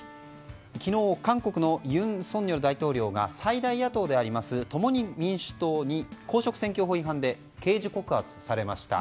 昨日、韓国の尹錫悦大統領が最大野党であります共に民主党に公職選挙法違反で刑事告発されました。